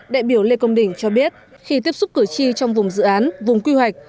đại biểu lê công đình cho biết khi tiếp xúc cử tri trong vùng dự án vùng quy hoạch